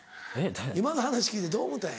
今の話聞いてどう思うたんや？